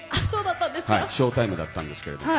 ショータイムだったんですけども。